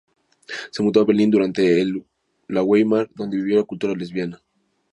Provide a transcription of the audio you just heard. Se mudó a Berlín durante la Weimar dónde vivió la cultura lesbiana.